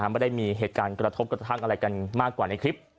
ไม่ได้มีเหตุการณ์กระทบกระทั่งอะไรกันมากกว่าในคลิป